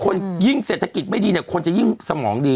ยิ่งเศรษฐกิจไม่ดีเนี่ยคนจะยิ่งสมองดี